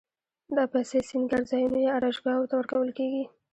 دا پیسې سینګارځایونو یا آرایشګاوو ته ورکول کېږي